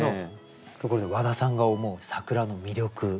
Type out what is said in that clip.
ところで和田さんが思う桜の魅力